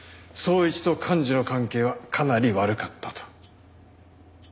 一と寛二の関係はかなり悪かったと。